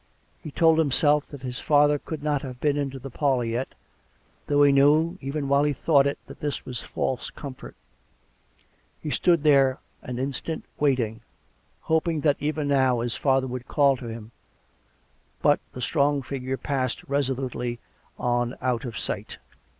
He told himself that his father could not have been into the parlour yet, though he knew, even while he thought it, that this was false com fort. He stood there an instant, waiting; hoping that even now his father would call to him ; but the strong figure passed resolutely on out of sight.